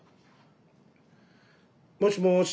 もしもし。